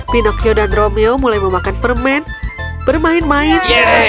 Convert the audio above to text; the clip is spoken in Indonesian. pinocchio dan romeo mulai memakan permen bermain main